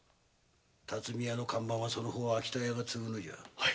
巽屋の看板はその方秋田屋が継ぐのじゃ。